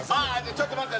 ちょっと待って！